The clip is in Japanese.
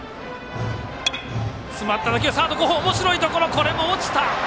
これも落ちた！